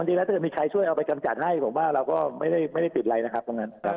เพราะฉะนั้นถ้ามีใครเอาไปช่วยกำจัดให้ผมว่าก็ไม่ได้ติดเลยนะครับตรงนั้น